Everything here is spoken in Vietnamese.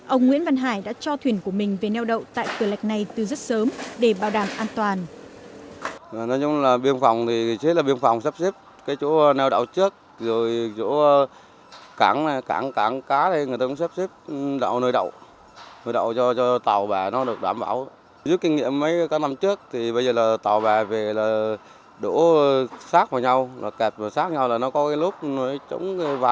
ông nguyễn văn hải đã cho thuyền của mình về neo đậu tại cửa lạch này từ rất sớm để bảo đảm an toàn